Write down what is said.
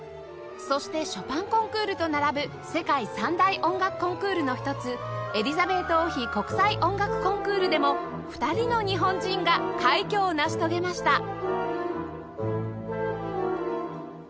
そしてショパンコンクールと並ぶ世界３大音楽コンクールの一つエリザベート王妃国際音楽コンクールでも２人の日本人が快挙を成し遂げました！